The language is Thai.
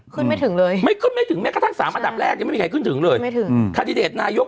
ขึ้นไม่ถึงเลยขึ้นไม่ถึงแม้กระทั่ง๓อันดับแรกยังไม่มีใครขึ้นถึงแกมีคัติเดรดนายก